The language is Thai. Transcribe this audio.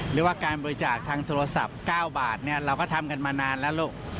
หรือว่าการบริจาคทางโทรศัพท์๙บาทเราก็ทำกันมานานแล้วลูก